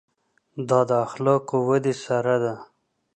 دا د اخلاقو ودې سره ده.